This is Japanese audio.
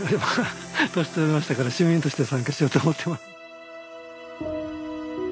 年取りましたから市民として参加しようと思ってます。